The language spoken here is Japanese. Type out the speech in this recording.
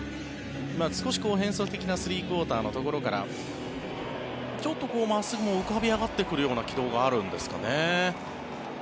少し変則的なスリークオーターのところからちょっと真っすぐも浮かび上がってくるような軌道があるんですかね。